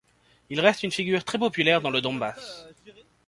Il reste une figure très populaire dans le Donbass.